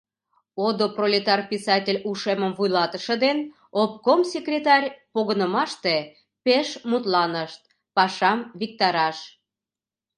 Одо пролетар писатель ушемым вуйлатыше ден обком секретарь погынымаште пеш мутланышт, пашам виктараш полшышт.